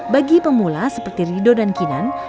bagi pemula seperti ridho dan kinan